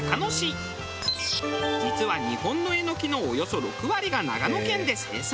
実は日本のエノキのおよそ６割が長野県で生産。